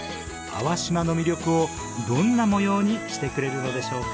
粟島の魅力をどんな模様にしてくれるのでしょうか？